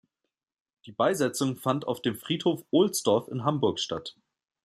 Die Beisetzung fand auf dem Friedhof Ohlsdorf in Hamburg statt.